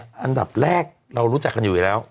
อันดับแรกเรารู้จักกันอยู่แล้ว